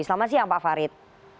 selamat siang pak farid